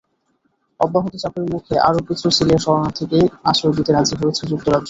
অব্যাহত চাপের মুখে আরও কিছু সিরিয়ার শরণার্থীকে আশ্রয় দিতে রাজি হয়েছে যুক্তরাজ্য।